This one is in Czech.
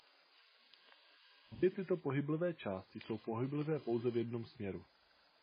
Obě tyto pohyblivé části jsou pohyblivé pouze v jednom směru.